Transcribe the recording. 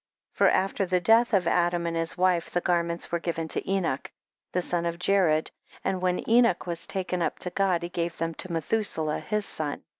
25. For after the death of Adam and his wife, the garments were giv en to Enoch, the son of Jered, and when Enoch was taken up to God, he gave them to Methuselah, his son.